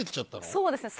そうですね。